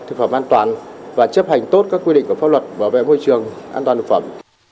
thực phẩm an toàn và chấp hành tốt các quy định của pháp luật bảo vệ môi trường an toàn thực phẩm